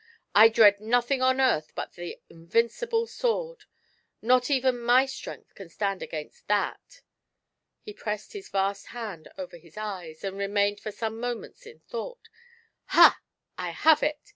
I dread nothing on earth but the invincible sword ; not even my strength can stand against that !" He pressed his vast hand over his eyes, and remained for some moments in thought. V Ha ! I have it